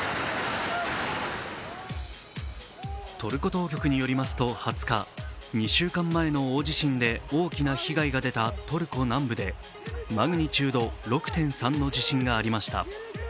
トルコ当局によりますと２０日、２週間前の大地震で大きな被害が出たトルコ南部でマグニチュード６．３の地震がありました。